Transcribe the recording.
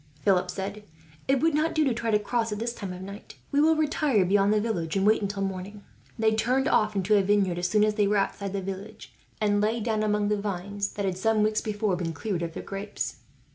Philip said. "It would not do to try to cross, at this time of night. We will retire beyond the village, and wait until morning." They turned off into a vineyard, as soon as they were outside the village; and lay down among the vines that had, some weeks before, been cleared of their grapes.